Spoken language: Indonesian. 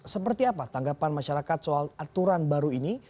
seperti apa tanggapan masyarakat soal aturan baru ini